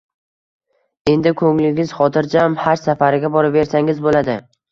Endi koʻnglingiz xotirjam haj safariga boraversangiz boʻladi